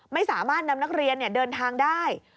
ไม่สามารถนำนักเรียนเดินทางได้